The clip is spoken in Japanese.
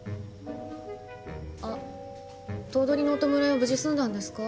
あっ頭取のお弔いは無事済んだんですか？